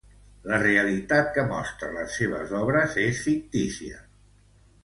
La realitat andalusa que mostra a les seues obres és fictícia.